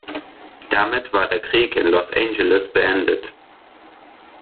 Damit war der Krieg in Los Angeles beendet.